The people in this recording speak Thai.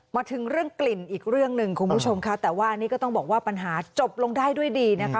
มาถึงเรื่องกลิ่นอีกเรื่องหนึ่งคุณผู้ชมค่ะแต่ว่านี่ก็ต้องบอกว่าปัญหาจบลงได้ด้วยดีนะคะ